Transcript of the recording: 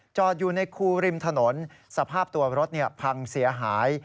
จอดอยู่ในคูริมถนนสภาพตัวรถพังเสียหาย